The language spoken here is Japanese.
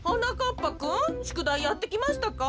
ぱくんしゅくだいやってきましたか？